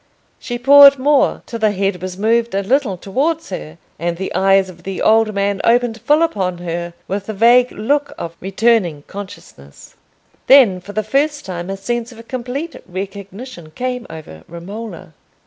She poured more, till the head was moved a little towards her, and the eyes of the old man opened full upon her with the vague look of returning consciousness. Then for the first time a sense of complete recognition came over Romola.